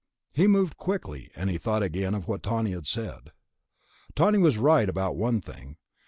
He moved quickly and he thought again of what Tawney had said. Tawney was right about one thing